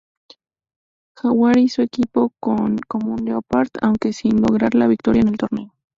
Jaguar hizo equipo con Como Leopard, aunque sin lograr la victoria en el torneo.